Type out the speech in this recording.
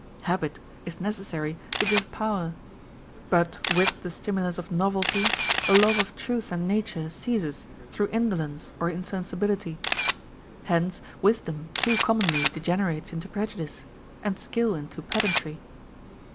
Habit is necessary to give power : but with the stimulus of novelty, the love of truth and nature ceases through indolence or insensibility. Hence wisdom too commonly degenerates into prejudice ; and skill into pedantry.